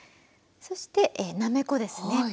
そしてなめこですね。